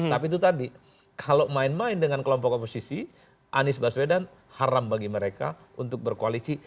tapi itu tadi kalau main main dengan kelompok oposisi anies baswedan haram bagi mereka untuk berkoalisi